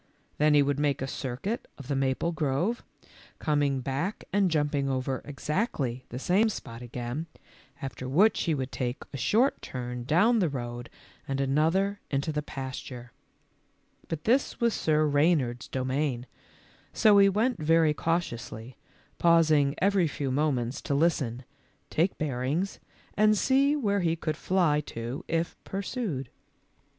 Then he would make a circuit of the maple grove, coming back and jumping over exactly the same spot again, after which he would take a short turn down the road and another into the pasture ; but this was Sir Reynard's domain, so he went very cautiously, pausing every few moments to listen, take bearings, and see where he could fly to if pursued.